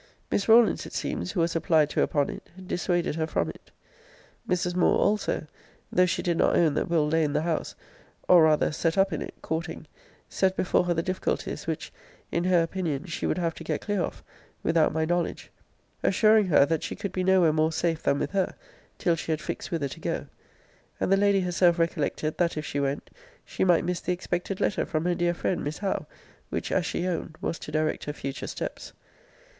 Miss Rawlins, it seems, who was applied to upon it, dissuaded her from it. Mrs. Moore also, though she did not own that Will. lay in the house, (or rather set up in it, courting,) set before her the difficulties, which, in her opinion, she would have to get clear off, without my knowledge; assuring her, that she could be no where more safe than with her, till she had fixed whither to go. And the lady herself recollected, that if she went, she might miss the expected letter from her dear friend Miss Howe! which, as she owned, was to direct her future steps.